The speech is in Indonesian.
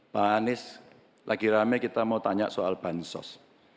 pak anies lagi rame kita mau tanya soal bansos